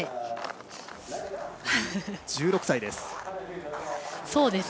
１６歳です。